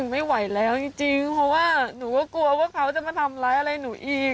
ไม่ไหวแล้วจริงเพราะว่าหนูก็กลัวว่าเขาจะมาทำร้ายอะไรหนูอีก